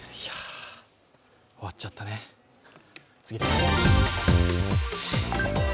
終わっちゃったね、次です。